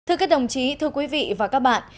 thưa các đồng chí thưa quý vị và các bạn